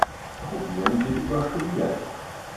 Probieren geht über Studieren.